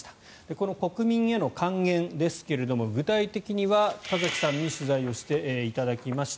この国民への還元ですが具体的には田崎さんに取材していただきました。